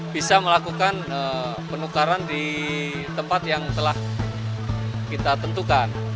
bisa melakukan penukaran di tempat yang telah kita tentukan